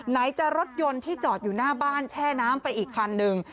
ไหนจะรถยนต์ที่จอดอยู่หน้าบ้านแช่น้ำไปอีกคันหนึ่ง